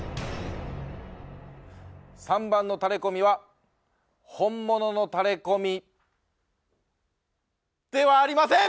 ３番のタレコミは本物のタレコミではありません。